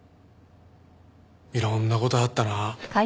いろんな事あったな。